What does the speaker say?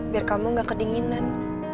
biar kamu nggak kedinginan